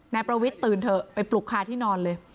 นายประวิทย์ตื่นเถอะไปปลุกคาที่นอนเลย